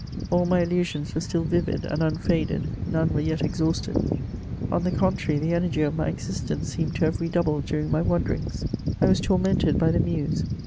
All my illusions were still vivid and unfadea : none were yet exhausted ; on the contrary, the energy of my existence seemed to have redoubled during my wanderings. I was tormented by the Muse.